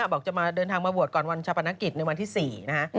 บอกจะมาเดินทางมาบวชก่อนวันชาปนกิจในวันที่๔นะฮะ